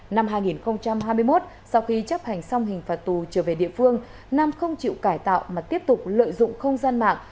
năm hai nghìn hai mươi một sau khi chấp hành xong hình phạt tù trở về địa phương nam không chịu cải tạo mà tiếp tục lợi dụng không gian mạng